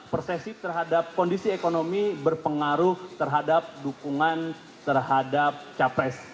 persesif terhadap kondisi ekonomi berpengaruh terhadap dukungan terhadap capres